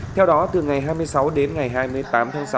theo đó từ ngày hai mươi sáu đến ngày hai mươi tám tháng sáu